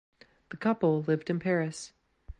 The couple lived in Paris.